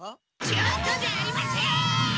ちょっとじゃありません！